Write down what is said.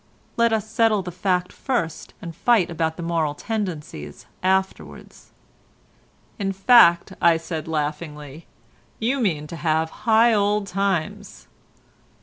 Let us settle the fact first and fight about the moral tendencies afterwards." "In fact," said I laughingly, "you mean to have high old times."